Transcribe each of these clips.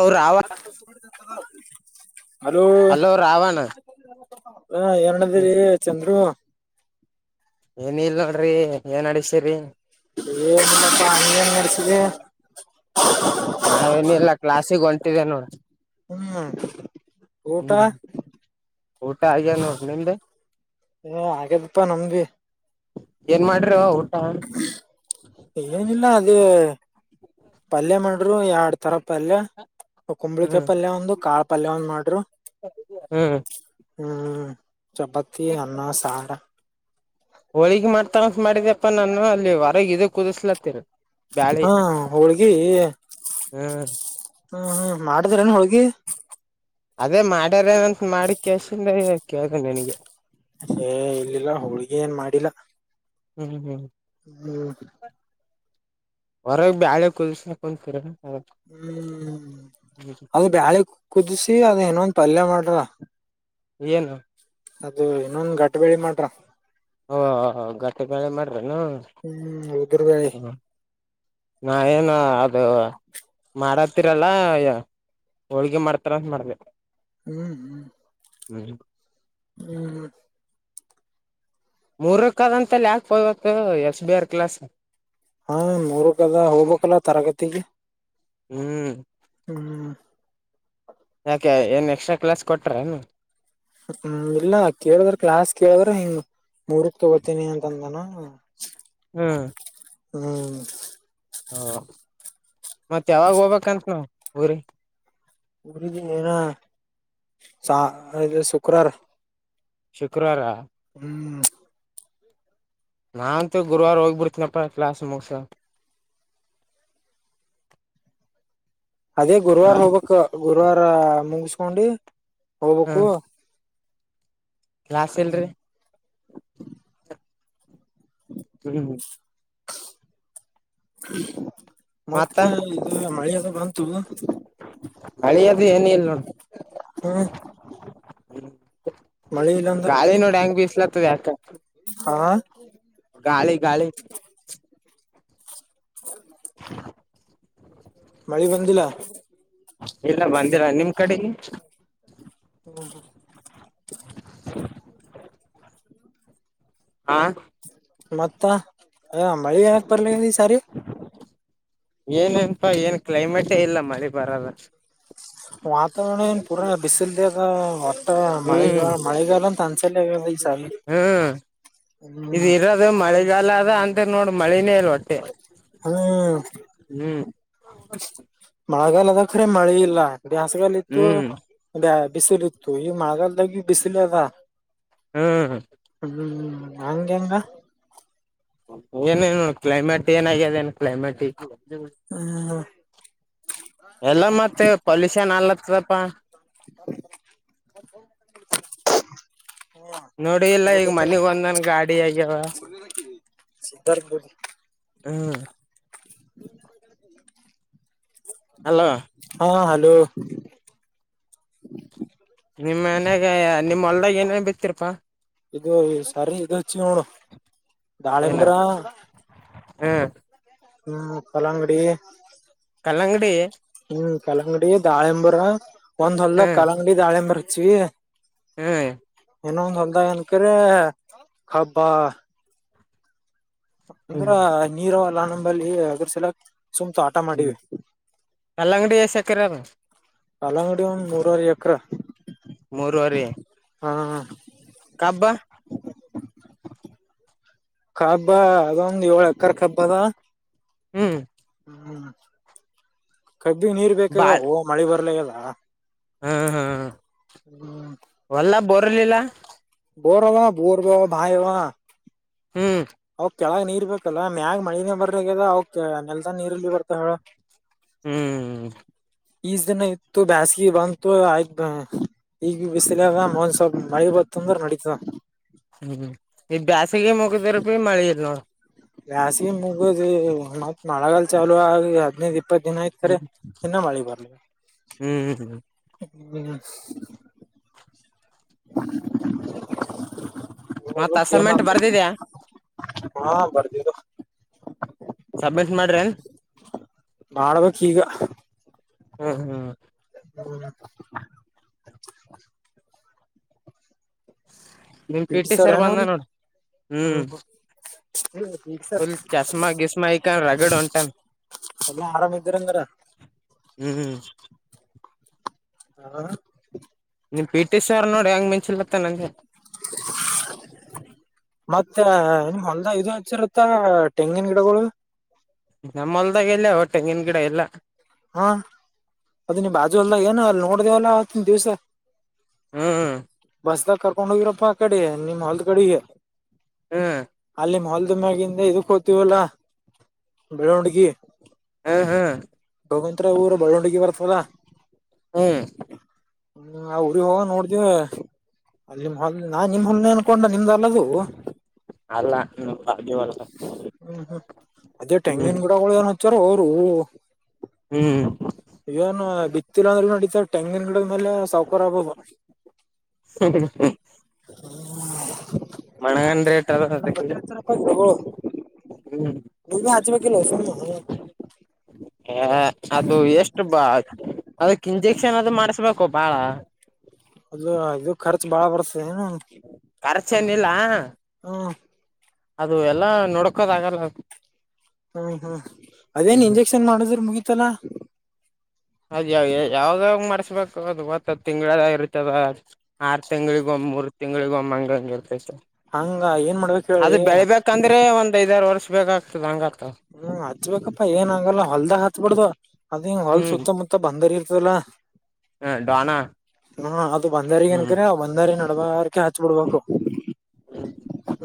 ಅವರ ಹಾ ಅಲ ಅಲೋ ರಾವಣ ಏ ದರಿ ಚಂದ್ರು ಏನ್ ಇಲ್ ನೋಡ್ರಿ ಏನ್ ಅಡಿಸಸಿ್ರರಿ ಏಪ್ಪಾ ಹಂಗೇನ್ ನಡೆಸಿದೆ ನಾವೇನಿಲ್ಲ ಕ್ಲಾಸಿಗೆ ಹೊಂಟಿದೆೇ ನೋ ಹ್ಮ್ ಊಟಾ ಊಟಾಗ ಆ ನೋಡ ನಮದ ಏ ಆಗ್ಯದಪ್ಪಾ ನಮ್ದಿ ಏನ್ ಮಾಡ್ರಿ ಊಟ ಏನಿಲ್ಲ ಅದೇ ಪಲ್ಯ ಮಾಡಂಡರು ಎಡ್ ತರ ಪಲ್ಯ ಕುಂಬಳಿಕಾಯ ಪಲ್ಯ ಒಂದು ಕಾಳ ಪಲ್ಯ ಒಂದು್ ಮಾಡರು ಹ್ಮ್ ಹ್ಮ್ ಚಪಾತಿ ಅನ್ನ ಸಾಾರ ಹೋಳಿಗೆ ಮಾಡ್ತಗಂತ ಮಾಡಿದಪ್ಪ ನಾನು ಅಲ್ಲಿ ಹೊರಗ ಇದ ಕುದಿಸ್ಲತ್ತನ ಹ್ಮ ಹೋಳ್ಗಿ ಹ್ಮ್ ಹ್ಮ ಹ್ಮ ಮಾಡಿದ್ರೇನು ಹೋಳ್ಗಿ ಅದೇ ಮಾಡ್ಯಾರಏನಂತ ಮಾಡಿ ಕೆಸನ್ ಕೇತ ನನ್ಗೆ ೇ ಇಲ್ಲಿಲ್ಲ ಹುಳ್ಗಿ ಏನ್ ಮಾಡಿಲ್ಲ ಹ್ಮ್ ಹ್ಮ್ ಹ್ಮ್ ಹೊರ ಬ್ಯಾಳ ಕೊಸಕನ್ ಕರ ಹ್ಮ್ ಅದು ಬ್ಯಾಳೆ ಕುದಿಸಿಿ ಅದ್ ಇನೊಂದ ಪಲ್ಯ ಮಾಡ್ರ ನು ಅದು ಇನ್ನೊಂದ ಗಟ್ ಬೆಳಿ ಮಾಡಟ್ರ ಹಓ ಗತ್ರ ಮಳೆ ಮಾಡ್ರನು ಹ್ಮ್ ಉದುರ್ ಬೆಳಿ ಹ ನಾವ ಏನು ಅದು ಮಾಡತ್ತೀರಲ್ಲ ಹೋಳ್ಗೆಿ ಮಾಡ್ತಾರ ಅಂತ ಮಾಡ್ಬೇಕು ಹ್ಮ್ ಹ್ಮ್ ಹ್ಮ್ ಹ್ಮ್ ಮೂರಕ್ಕದಂತಲ್ಲಿ ಯಾಕಕ್ಪೋಬೇಕು ಎಸ್ ಬಿ ಆರ್ ಕ್ಲಾಸ್ ಹಾ ಮೂರು ಕದ ಹೋಗ್ಬೇಕಲ್ಲ ತರಗತಿಗೆ ಹ್ಮ್ ಹ್ಮ್ ಯಾಕೆ ಏನು ಎಕ್ಸ್ಟ್ರಾ ಕ್ಲಾಸ್ ಕೊಟ್ಟ್ರೇನು ಹ್ಮ್ ಇಲ್ಲ ಕೇಳಿದ್ರ ಕ್ಲಾಸ್ ಕೇಳಿದ್ರ ಹಿಂಗ್ ಮೂರ್ಕ್ ತಗೋತೀನಿ ಅಂತಂದಾನ ಹ್ಮ ಹ್ಮ್ ಹ್ಮ್ ಹಓ ಮತ್ತ ಯಾವಾಗ ಹೋಗ್ಬೇಕಂತ ನಾವ ಊರಿ ಗುರಿಜ ನನ ಸಾ ಅ ಶುಕ್ರಾರ ಶುಕ್ರವಾರ ಹ್ಮ್ ನಾಂತು ಗುರುವಾರ ಹೋಗಿಬ ಬಿಡ್ತೀನಪ್ಪ ಕ್ಲಾಸ್ ಮುಗಸ ಅದೇ ಹ ಗುರುವಾರ ಹೋಗ್ಬೇಕಕ್ ಗುರುವಾರ ಮುಗಸ್ಕೊಂಡಿ ಹೋಗ್ಬೇಕು ಲ್ಾಸ್ ಎಲ್ರರಿ ಹ್ಮ ಹ ಹ ಮತ್ತ ಮತ್ತೆ ಇದು ಮಳೆಲ್ಲ ಬಂತು. ಮಳಿ ಅದು ಏನ್ ಇಲ್ ನೋಡು ಹ್ಮ ಮಳಿ ಇಲ್ಲಾಂದ್ರ ಗಾಳಿ ನೋಡ ಹೆಂಗ ಬೀಸಲ್ತದ ಯಾಕ್ ಹಾ ಗಾಳಿ ಗಾಳಿ ಹ ಮಳಿ ಬಂದಿಲ್ಲಾ. ಇಲ್ಲ ಬಂದಿಲಾ ನಿಮ್ ಕಡೆಗೆ ಹ್ಮ ಹ ಹಾ ಮತ್ತ ಮಳಿ ಯಾಕ ಬರ್ಲಿಲ್ಲ ಈ ಸಾರಿ ಏನನ್ಪ ಏನ್ ಕ್ಲೈಮೇಟೇ ಇಲ್ಲ ಮಳಿ ಬರಲ್ಲ. ವಾತಾವರಣ ಏನ್ ಪೂರಾ ಬಿಸಿಲದದ ವಟ್ಟ ಮಳೆಗ ಹ್ಮ್ ಮಳೆಗಾಲಂತ ತನ್ಸಾಲೆ ವಯ್ಸುಗಲಿ ಹ್ಮ್ ಮಳೆಗಾಲದ ಅಂತ ನೋಡಿ ಮಳಿನೇ... ಇಲ್ ಒಟ್ಟೆ ಅದ ಹ್ಮ್ [inaudible] ಮಳೆಗಾಲ ಅದಕ್ರೆ ಮಳೆ ಇಲ್ಲ ದ್ಯಾಸಗಾಲ ಇತ್ತು. ಹ್ಮ್ ಅದೇ ಬಿಸಿಲಿ ಇತ್ತು ಈ ಮಗಲ್ದಾಗ ಬಿಸಿಲು ಅದ. ಹ್ಮ್ ಹ್ಮ್ ಹಗೆಂಗ. ಏನೇನು ಕ್ಲೈಮೆಟ್ ಏನಾಗದೇನು ಕ್ಲೈಮೆಟ್. ಹ್ಮ್ ಎಲ್ಲ ಮತ್ತೆ ಪೊಲ್ಯೂಷನ್ ಅಲತ್ದಪ್ಪ. [inaudible] ನೋಡಿ ಇಲ್ಲ ಈಗ ಮನಗ್ ಒಂದನ್ ಗಾಡಿ ಆಗ್ಯಾವ. ಬರಿ... ಸಿದ್ದಾರ್ಪುರ್. ಹ್ಮ... ಹಲೋ ಹಾ ಹಲೋ... ನಿಮ್ಮ್ ಮನ್ಯಾಗ ನಿಮ್ಮ ಹೊಲ್ಗ ಏನೇ ಬಿತ್ತತಿರಪಾ... ಇದು ಈ ಸರಿ ಇದು ಹಚ್ಚಿ ನೋ ಏನ ದಾಳಿಂಬ್ರ. ಹ್ಮ್... ಹ್ಮ್ ಕಳಾಂಗುಡಿ. ಕಲ್ಲಂಗಡಿ ಹ್ಮ್ ಕಲ್ಲಂಗಡಿ ದಾಳಂಬುರ ಒಂದ್ ಹೊಲ್ದ ಹ್ಮ್ ಕಲಂಗಡಿ... ಅ ದಾಳಿಯಂಬರುಚವಿ ಹ್ಮಞ ಇನ್ನೊಂದು ಸಂದಾಯನಕ್ರ ಖಬ್ಬಾ ಅಂದ್ರ ಹ್ಮ್ ನೀರಲ್ಲ ನಂಬಲ್ಲಿ ಅದರ್ಸಲಕ್ ಸುಮತು ಆಟ ಹ್ಮ್ ಮಾಡೀವಿ ಕಲ್ಲಂಗಡಿ ಸಕ್ಕರೆರ ಕಲ್ಲಂಗಡಿ ಒಂದ್ ನೂರಾರ ಎಕ್ರ. ಮೂರುವರಿ ಹ್ಮ... ಕಬ್ಬ. ಕಬ್ಬ ಅದೊಂದು ಏಳು ಎಕರ್ ಕಬ್ಬ ಅದ. ಹ್ಮ್... ಹ್ಮ್ ಕಬ್ಬಿ ನೀರ್ ಬೇಕ ಬಾಳ್ ಮಳೆ ಬರ್ಲದ... ಹ್ಮ್ ಹ್ಮ್ ಹ್ಮ... ಹೊಲ್ಲ ಬರ್ಲಿಲ್ಲ. ಬೋರ್ವಾ ಬೋರ್ ಬ ಭಾಯವಾ. ಹ್ಮ್... ಅವ ಕೆಳಗ ನೀರ್ ಬೇಕಲ್ಲ ಮ್ಯಾಗ್ ಮಳಿನ ಬರ್ರಗ್ಯದ ಅವ ನೆಲ್ದನ್ ನೀರ್ಲ್ ಬಿ ಬರ್ತಾವ ಹೇಳ. ಹ್ಮ್ ಈಜ ದನ ಇತ್ತು ಬೇಸ್ಗೆ ಬಂತು ಆಯ್ತು ಈಗ್ ಬಿ ಬಿಸಲದ ಮೊನ್ ಸ್ವಲ್ ಮಳಿ ಬ ಅಂದ್ರ ನಡಿತ ಹ್ಮ್ ಈ ಬ್ಯಾಸಿಗೆ ಮುಗಿದ ರಪ ಮಳಿ ನೋ ವಾಸಿಗೆ ಮುಗುದು ಮತ್ ಮಳೆಗಲ್ ಚಾಲು ಆಗ ಹದ್ನದುಇಪ್ಪತ್ತು ದಿನ ಆಯ್ತು ಹ್ಮ್ ಹ್ಮ್ ಹ್ಮ್ ಹ್ಮ್ ಮತ್ ಅಸೈನ್ಮೆಂಟ್ ಬರ್ದಿದ್ಯಾ ಹಾ ಬರ್ದರ [unintelligible] ಸಬ್ಮಿಟ್ ಮಾಡ್ರೆ ಮಾಡ್ಬೇಕ್ ಈಗ ಹ್ಮ ಹ್ಮ್ ಬರರತ [unintelligible] ನಿಮ್ ಪಿ ಪಟಿ ಟಿ ಸ ಸರ್ ಬಂದ ರನೆ ನೋಡ್ ಒ ಹ್ಮ್ ಹ ಹ ಹ ಸರ್ ಫುಲ್ ಚಸ್ಮಾ ಗಿಸ್ಮಾ ಇಕಂಡ್ ರಗಡ್ ಹೊಂಟಾನ್ ಅ ಆರಾಮ್ ಇದೀರಿಂದ್ರ ಹ್ಮ್ ಹಾ ನೀನ್ ಪಿಟಿ ಸ ಅವರ್ ನೋಡಿ ಹೆಂಗ್ ಮಂಚಿಲ್ ಬತ್ತ ನನ್ಗೆ [unintelligible] ಮತ್ತೆ ಹೊಲದಾಗ ಇದು ಹಚ್ಚಿರುತ್ತಾ ತೆಂಗಿನ ಗಿಡಗಳು ನಮ್ಮೊಲ್ದಾಗ ಎಲ್ಲೇವ ತೆಂಗಿನ ಗಿಡ ಇಲ್ಲ ಹಾ ಅದ ನೀ ಬಾಜುಲ್ದಾಗ ಏನ ಅಲ್ಲಿ ನೋಡ್ದೇವಲ್ಲ ಅವತ್ತಿನ ದಿವ್ಸ ಹ್ಮ ಹ ಬಸ್ದಾಗ ಕರ್ಕೊಂಡ್ ಹೋಗಿರಪ್ಪಾ ಆ ಕಡೆ ನಿಮ್ ಹಲ್ದ ಕಡೆಗೆ ಹಾ ಅಲ್ಲಿ ಮ ಹೊಲ್ದ ಮ್ಯಾಗಿದ ಇದಕ್ ಹತೀವಲ್ಲಾ ಬೆರೌಂಡ್ಗಿ ಹ್ಮ್ ಹ್ಮ್ ಗವಂತತ್ರ ಊರು ಬೆಳ್ಳುಂಡಗಿ ಬರ್ತದ ಹ್ಮ್ ಹ್ಮ್ ಅವ್ರ ಹೋಗ ನೋಡ್ದವಿ ಅಲ್ಲಿ ನಿ ನಾನ್ ನಿಮ್ ಹೊಲ್ ಅನ್ಕೊಂಡ ನಿಮ್ದ ಅಲ್ಲದು ಅಲ್ಲ ಬಾಜು ಹೊಲ್ದಾಗ ಹ್ಮ್ ಹ್ಮ್ ಅದೇ ಹ್ಮ್ ತೆಂಗಿನ ಗಿಡ ಏನ್ ಹಚ್ಚಾರೊ ಅವರು ಹ್ಮ್ ಇವನ್ ಬಿತ್ತಿಲ್ಲ ಅಂದ್ರೆ ನೋಡತ ತೆಂಗಿನ ಗಡ ಮೇಲೆ ಸೌವಕಾರ ಆಬ ಹ ಹ್ಮ ಮಣಗಂಡ ರೇಟ್ ಅದ ಹಚ ಬಕ ನ ಹ ಅದು ಎಷ್ಟು ಬಾ ಅದಕ್ ಇಂಜೆಕ್ಷನ್ ಅದು ಮಾಡ್ಸ್ಬ ಕೋ ಬಾಳ ಅದು ಇದು ಖರ್ಚ ಬಾಳ ಬರ್ತದೆ ಏನು ಖರ್ಚನ್ಿಲ್ಲ ಹಾ ಅದು ಎಲ್ಲಾ ನೋಡ್ಕೋದ ಆಗಲ್ಲ ಹ್ಮ್ ಹ್ಮ್ ಅದೇನ್ ಇಂಜೆಕ್ಷನ್ ಮಾಡುದ್ರ ಮುಗೀಿತಲಾ ಅದ್ ಯಾವ ಯಾವ್ದಾಗ್ ಮರ್ಸ್ಬೇಕು ಅದು ಒತ್ತ ಹತ್ತು ತಿಂಗಗಳದ ಇರ್ತದ ಆರು ತಿಂಗಗಳಿಗ ಒ್ ಮೂರು ತಿಂಗಗಳಿಗ ಒಮ್ಮ ಅಂಗ್ ಹಂಗಗೆ ಇರ್ತೈ ಸರ್ ಹಂಗ ಏನ್ ಮಾಡ್ಬೇಕು ಅದ ಬೆಳಿಬೇಕಂದ್ರೆ ಒಂದ್ ಐದ್ಾರು ವರ್ಷ ಬೇಕಾಗ್ತದೆ ಹಂಗ ಆಗ್ತದ ಹ್ಮ್ ಹಚ್ಬೇಕಪ್ಪಾ ಏನ್ ಆಗಲ್ಲ ಹೊಲ್ದಾಗ ಹತ್ತತ್ಬ ಬಿಡ್ದ ಅದ ಹಿಂಗ ಹೊಲ್ ಹ್ಮ್ ಸುತ್ತಮುತ್ತ ಮತ್ತ ಬಂದಾರಿ ಇರ್ತಲ್ಲ ಹ ಡಾನ ಹ ಅದು ಬಂದಾರಿಗ ಹ್ಮ್ ಏನ್ಕರಿ ಒಂದರಿ ನಡಬಾರಕೆ ಹಚ್ ಬಿಡ್ಬೇಕು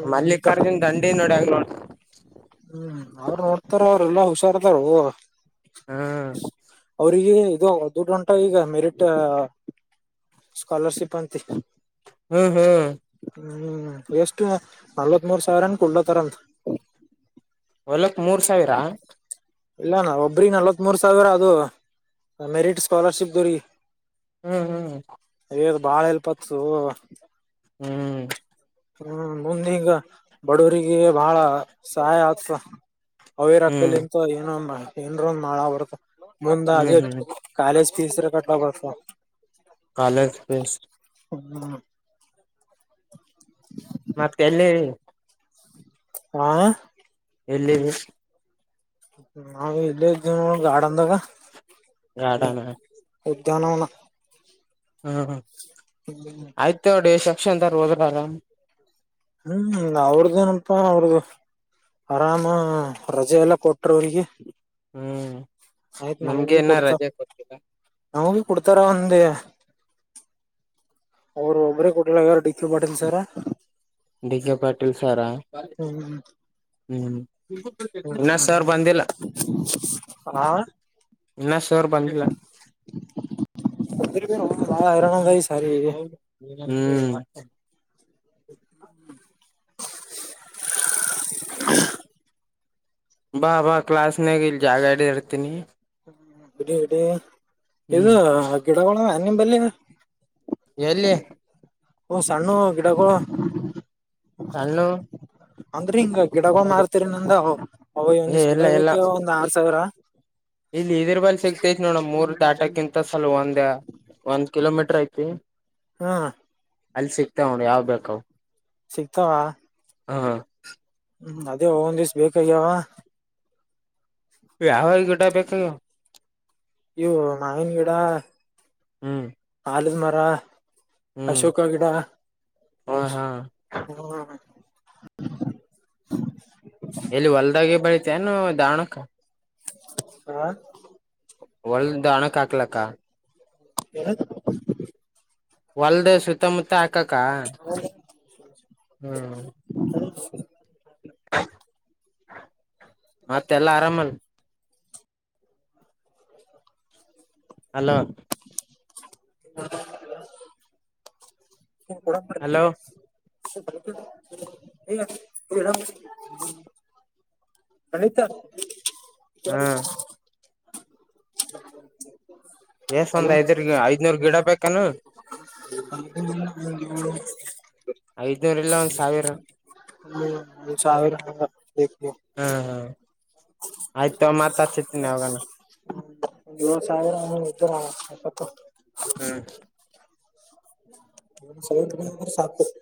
ಹ್ಮ ಈಗ ಮಲ್ಲಿಕಾರ್ಜುನ್ ದಂಡಿ ನೋಡಿಂಗ ನೋಡ್ ಹ್ಮ್ ಅವ್ ನೋಡ್ತಾರ ಅವ್ರ ಎಲ್ಲಾ ಹುಷಾರದಾರ ಹಾ ಅವ್ರಿಗೆ ಇದು ದದುಡ್ಡ ಗಂಟ ಈಗ ಮೆರಿಟ್ ಸ್ಕಲರ್ಶಿಪ್್ ಎಂತ ಹ್ಮ್ ಹ್ಮ್ ಹ್ಮ್ ಎಷ್ಟು ನಲ್ವತ್ ಮೂರ್ ಸಾವಿರನ ಕುಡ್ಲೋತಾರಂತ ಹೊಲಕ್ ಮೂರ್ ಸಾವಿರ ಇಲ್ಲ ನ ಒಬ್ರಿ ನಲ್ವತ್ ಮೂರ್ ಸಾವಿರ ಅದು ಮೆರಿಟ್ ಸ್ಕಾಲರ್ಶಿಪ್್ದ್ರೀ ಹ್ಮ್ ಹ್ಮ್ ದು್ ಬಾಳ ಎಲ್ಪತ್ಸ ಹ್ಮ್ ಹ್ಮ್ ಮುಂದ ಈಗ ಬಡವರಿಗೆ ಬಹಳ ಸಹಾಯ ಅವಾ ಹ್ಮ್ ಅವಿರಕ್ಕಲಿಂತ ಏನೊಂದ ಏನ್ರೊಂದ್ ಮಾಳ ಬರುತ್ತ ಹ್ಮ್ ಮುಂದೆ ಹ್ಮ್ ಕಾಲೇಜ್ ಫೀಸ್್ರ ಕಟ್ಟ ಬರ್ತ ಕಾಲೇಜ್ ಫೀಸ್ ಹ್ಮ ಒ ಮತ್ ಕಲ್ಲಿ ಹಾ. ಎಲ್ಲಿದಿ. ನಾವ ಇಲ್ಲಿ ಇದ್ದೇವ ನೋಡ ಗಾರ್ಡನ್ದಾಗ. ಗಾರ್ಡನ್ ಉದ್ಯಾನವನ. ಹ್ಮ್ ಆಯ್ತ ನೋಡಿ ಸೆಕ್ಷನ್ ತಾರ ಹೋದ್ರಲ್ಲ. ಹ್ಮ್ ಅವ್ರದೇನಪ್ಪಾ ಅವ್ರದ್. ಆರಾಮ ರಜೆ ಎಲ್ಲಾ ಕೊಟ್ರ ಅವ್ರಿಗೆ. ಹ್ಮ್ ಆಯ್ತ್ ನಮಗ್ ನಮ್ಗೆ ಬಿ ಇನ್ನ ಕೊಡ್ತರ ರಜೆ ಕೊಟ್ಟಿಲ್ಲ ನಮಗ ಭಿ ಕೊಡ್ತಾರ ಅಂದೇ. ಅವರು ಒಬ್ಬ್ರೇ ಕೋಟಲ ಆಗ್ಯಾರ DK Patil sir. D K Patil ಸಾರಾ ಹ್ಮ್ ಹ್ಮ. ಇನ್ನ ಹ್ಮ್ ಸರ್ ಬಂದಿಲ್ಲ ಹಾ ಇನ್ನ ಸರ್ ಬಂದಿಲ್ಲ. [unintelligible] ಬಾಳ್ ಹೈರಾಣ ಆದ ಈ ಸರಿ. ಹ್ಮ್. ಬಾ ಬಾ ಕ್ಲಾಸ್ ನಾಗ ಇಲ್ ಜಾಗ ಹಿಡದ ಇರ್ತೀನಿ. ಹ ಬಿಡ ಇಡಿ ಹ್ಮ್ ಇದು ಗಿಡಗಳ ಅವ ನಿಮಲ್ಲಿ. ಎಲ್ಲಿ. ಓ ಸಣ್ಣು ಗಿಡಗಳು ಹಣ್ಣು ಅಂದ್ರೆ ಹಿಂಗ. ಗಿಡಗಳು ಮಾರ್ತಿರಿ ನಂದ ಅವ ಏ ಒಂದಷ್ಟ್ ಗಿಡ ಎಲ್ಲ ಎಲ್ಲ ಬೇಕ ಒಂದ ಆರ್ ಸಾವಿರ. ಇಲ್ಲಿ ಇದ್ರ ಬಲ್ಲಿ ಸಿಗ್ತೈತಿ ನೋಡಮ ಮೂರ್ ದಾಟಗಿಂತ ಸಲ ಒಂದ. ಒಂದ್ ಕಿಲೋಮೀಟರ್ ಐತಿ. ಹಾ. ಅಲ್ಲಿ ಸಿಗ್ತವ ನೋಡಿ ಯಾವ್ ಬೇಕಾವ್. ಸಿಗ್ತಾವ. ಹಾ. ಹ್ಮ್ ಅದೇ ಆವೊಂದಿಸ ಬೇಕಗ್ಯಾವ. ಯಾವಾಗ ಗಿಡ ಬೇಕ ನಿಂಗ. ಇವು ಮಾವಿನ ಗಿಡಾ. ಹ್ಮ್. ಆಲದ್ ಮರ ಹ್ಮ್ ಅಶೋಕ ಗಿಡ. ಹ ಹಾ [inaudible] ಎಲ್ಲಿ ಹೊಲ್ದಾಗೆ ಬೆಳಿತನು ದಾವಣಕ್ಕ. ಹ. ಒಳ್ಳದ ಹಣಕ್ ಹಾಕ್ಲಕ್ಕ. [inaudible] ಒಲ್ದ ಸುತ್ತಮುತ್ತ ಹಾಕಕ್ಕ. ಹ್ಮ್. ಹಾ ಮತ್ತೆಲ್ಲ ಆರಾಮಲ್ಲ. ಹಲೋ. ಹಲೋ [inaudible] [inaudible] ಹಾ [unintelligible] [inaudible] ಎಷ್ಟ ಒಂದ ಐದ್ರ್ ಐದನೂರ ಗಿಡ ಬೇಕನು. [inaudible] [inaudible] ಐದ್ನೂರ್ ಇಲ್ಲ ಒಂದ್ ಸಾವಿರ ಹ್ಮ್ ಸಾವಿರ ಗಿಡಾ. ಹಾ ಹಾ ಆಯ್ತು ತೂ ಮತ್ ಹಚ್ತೀನಿ ಯಾವಾಗನ [inaudible] ಹ್ಮ್ [unintelligible]